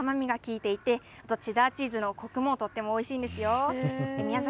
味は野菜の甘みが効いていて、チェダーチーズのこくもとってもおいしいですよ。